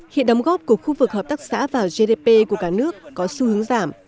hiện đóng góp của khu vực hợp tác xã vào gdp của cả nước có xu hướng giảm